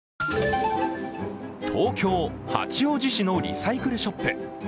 東京・八王子市のリサイクルショップ。